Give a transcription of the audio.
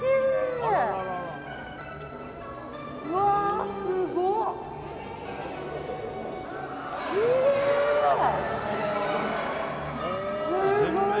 うわー、すごい。